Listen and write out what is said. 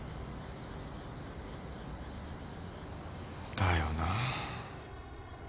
だよな。